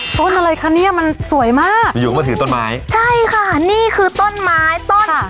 ต้นอะไรคะเนี้ยมันสวยมากอยู่อยู่ก็มาถือต้นไม้ใช่ค่ะนี่คือต้นไม้ต้น